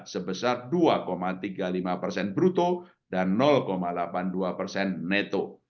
sebesar dua tiga puluh lima bruto dan delapan puluh dua neto